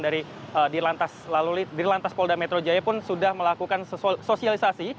dari dirlantas polda metro jaya pun sudah melakukan sosialisasi